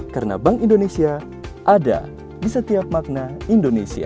karena bank indonesia ada di setiap makna indonesia